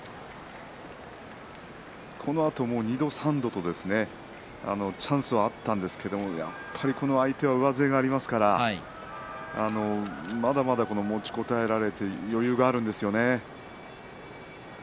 このあとも２度３度とチャンスはあったんですけれどもやっぱり相手は上背がありますからまだまだ持ちこたえられて余裕があるんですよね。